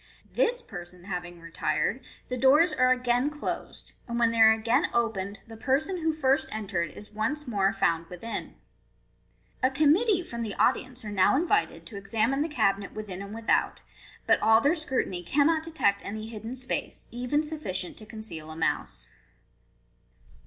This per son having retired, the doors are again closed; and when they are again opened, the person who first entered is once more found within. A committee from the audience are now invited to examine the cabinet within and without, Dut all their scrutiny cannot detect any hidden space, even sufficient to conceal a mouse.